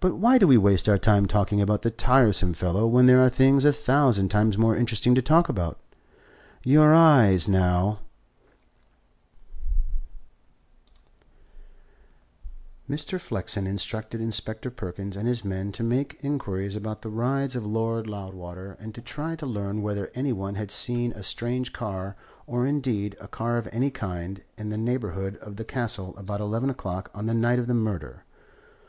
"But why do we waste our time talking about the tiresome fellow when there are things a thousand times more interesting to talk about? Your eyes, now " Mr. Flexen instructed Inspector Perkins and his men to make inquiries about the rides of Lord Loudwater and to try to learn whether any one had seen a strange car, or, indeed, a car of any kind, in the neighbourhood of the Castle about eleven o'clock on the night of the murder.